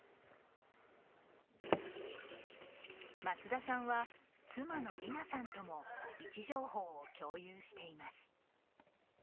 松田さんは、妻の里奈さんとも位置情報を共有しています。